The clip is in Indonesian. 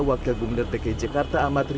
wakil gubernur dki jakarta amat riza patria